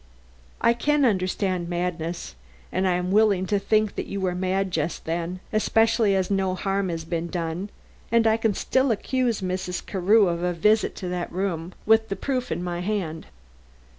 "I can understand madness, and I am willing to think that you were mad just then especially as no harm has been done and I can still accuse Mrs. Carew of a visit to that room, with the proof in my hand."